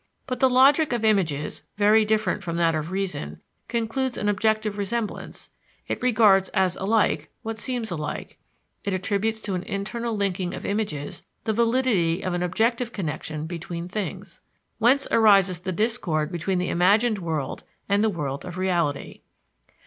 But the logic of images, very different from that of reason, concludes an objective resemblance; it regards as alike, what seem alike; it attributes to an internal linking of images, the validity of an objective connection between things. Whence arises the discord between the imagined world and the world of reality.